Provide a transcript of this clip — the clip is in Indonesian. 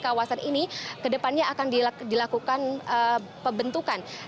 kawasan ini ke depannya akan dilakukan pembentukan